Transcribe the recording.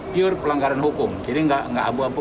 pure pelanggaran hukum jadi nggak abu abu